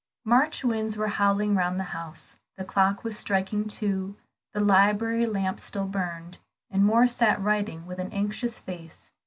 March winds were howling round the house, the clock was striking two, the library lamp still burned, and Moor sat writing with an anxious face.